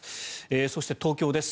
そして東京です。